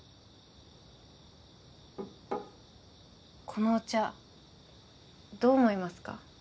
このお茶どう思いますか？